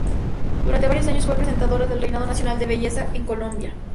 Durante varios años fue presentadora del Reinado Nacional de Belleza en Colombia.